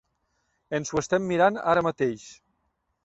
Ens ho estem mirant ara mateix.